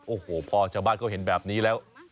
โอ้โหพอชาวบ้านเขาเห็นแบบนี้แล้ว